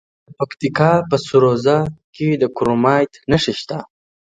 د پکتیکا په سروضه کې د کرومایټ نښې شته.